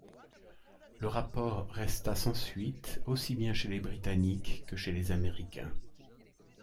Le rapport resta sans suite, aussi bien chez les Britanniques que chez les Américains.